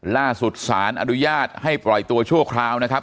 ล่าสุดสารอนุญาตให้ปล่อยตัวชั่วคราวนะครับ